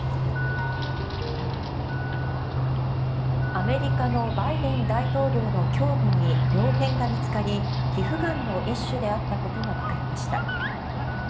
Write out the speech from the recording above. アメリカのバイデン大統領の胸部に病変が見つかり皮膚がんの一種であったことが分かりました。